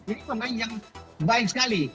ini pemain yang baik sekali